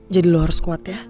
lo harus kuat ya